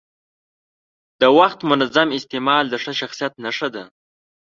د وخت منظم استعمال د ښه شخصیت نښه ده.